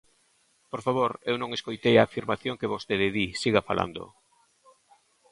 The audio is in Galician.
Por favor, eu non escoitei a afirmación que vostede di, siga falando.